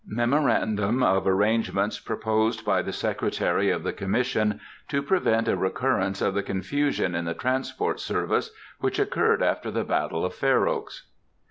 _Memorandum of Arrangements proposed by the Secretary of the Commission, to prevent a recurrence of the confusion in the Transport Service which occurred after the Battle of Fair Oaks.